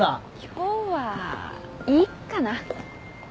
今日はいいかな。